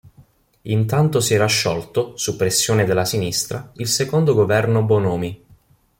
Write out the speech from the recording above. Intanto si era sciolto, su pressione della sinistra, il secondo governo Bonomi.